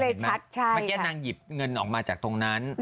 เมื่อกี้นางหยิบเงินออกมาจากตรงนั้น